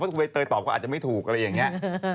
คุณใบเตยตอบก็อาจจะไม่ถูกอะไรอย่างนี้